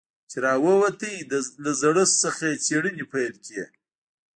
چې راووت له زړښت څخه يې څېړنې پيل کړې.